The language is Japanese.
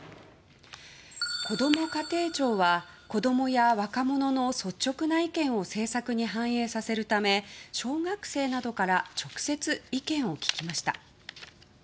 こども家庭庁は子供や若者の率直な意見を政策に反映させるため小学生などから直接意見を聞きました。